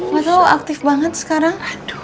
masa lo aktif banget sekarang